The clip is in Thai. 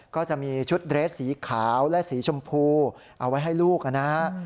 ก็จะมีชุดเรสสีขาวและสีชมพูเอาไว้ให้ลูกนะฮะ